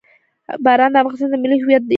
باران د افغانستان د ملي هویت یوه نښه ده.